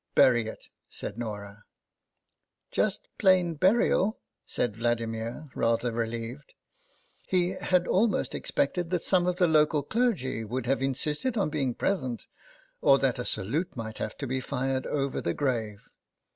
" Bury it," said Norah. " Just plain burial ?" said Vladimir, rather 84 THE BAG relieved. He had almost expected that some of the local clergy would have insisted on being present, or that a salute might have to be fired over the grave.